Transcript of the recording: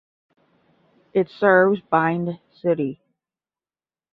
It serves Bhind city.